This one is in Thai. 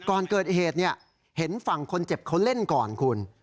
ก่อนเกิดเหตุเห็นฝั่งคนเจ็บเขาเล่นก่อนคุณ